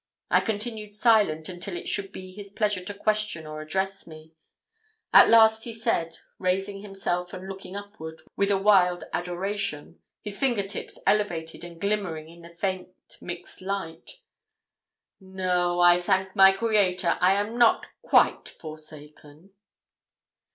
I continued silent until it should be his pleasure to question or address me. At last he said, raising himself and looking upward, with a wild adoration his finger tips elevated and glimmering in the faint mixed light 'No, I thank my Creator, I am not quite forsaken.'